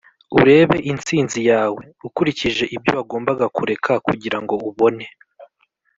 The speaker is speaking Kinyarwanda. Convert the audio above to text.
“urebe intsinzi yawe ukurikije ibyo wagombaga kureka kugirango ubone.”